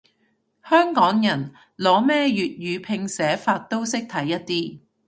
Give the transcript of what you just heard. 香港人，攞咩粵語拼寫法都識睇一啲